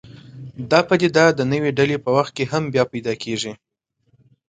دا پدیده د نوې ډلې په وخت کې هم بیا پیدا کېږي.